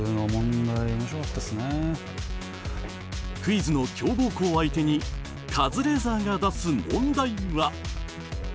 クイズの強豪校相手にカズレーザーが出す問題は？